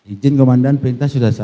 injil kemandan perintah sudah selesai